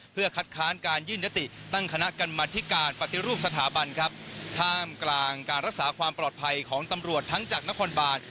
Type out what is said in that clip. เพื่อคัดค้านการยื่นยติตั้งคณะกรรมธิการปฏิรูปสถาบันครับท่ามกลางการรักษาความปลอดภัยของตำรวจทั้งจากนครบาล